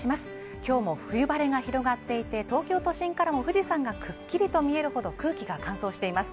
今日も冬晴れが広がっていて東京都心からも富士山がくっきりと見えるほど空気が乾燥しています